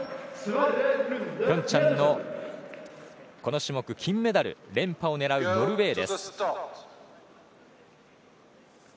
ピョンチャンのこの種目金メダル連覇を狙うノルウェーです。